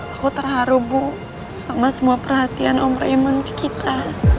aku terharu bu sama semua perhatian omraimun ke kita